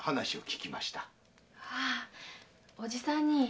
ああおじさんに。